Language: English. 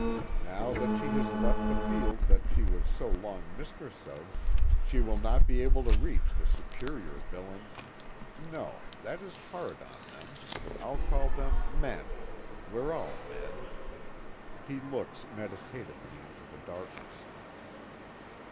Now that she has left the field that she was so long mistress of, she will not be able to reach the superior villains no: that is hard on them. I'll call them men we're all men." He looks meditatively into the darkness.